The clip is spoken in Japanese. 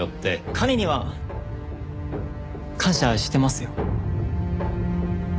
彼には感謝してますよ。